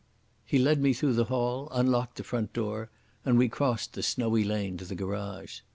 He led me through the hall, unlocked the front door, and we crossed the snowy lawn to the garage.